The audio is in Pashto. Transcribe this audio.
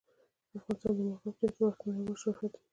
افغانستان د مورغاب سیند په برخه کې نړیوال شهرت لري.